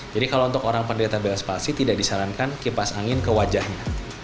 jadi kalau untuk orang pendeta belas palsi tidak disarankan kipas angin ke wajahnya